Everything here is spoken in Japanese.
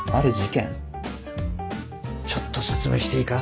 ちょっと説明していいか？